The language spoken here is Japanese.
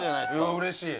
うれしい。